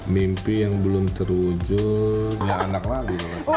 mimpi yang belum terwujud